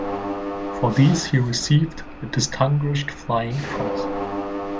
For these, he received a Distinguished Flying Cross.